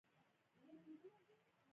کابل د افغانستان د ځایي اقتصادونو بنسټ دی.